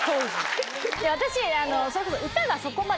私それこそ。